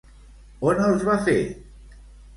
On els va fer?